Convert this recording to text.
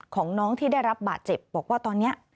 ของน้องที่ได้รับบาดเจ็บบอกว่าตอนนี้